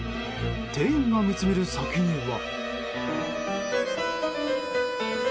店員が見つめる先には。